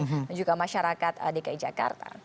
juga masyarakat dki jakarta